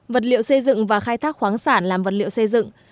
vật liệu xây dựng và khai thác khoáng sản làm vật liệu xây dựng